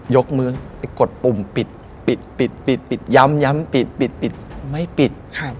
ยกมือกดปุ่มปิดปิดปิดปิดปิดย้ำย้ำปิดปิดปิดไม่ปิด